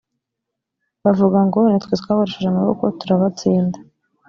bavuga ngo ’ni twe twabarushije amaboko turabatsinda.